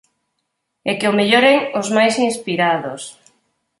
E que o melloren os máis inspirados.